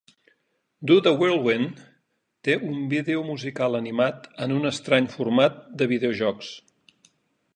"Do the Whirlwind" té un vídeo musical animat en un estrany format de videojocs.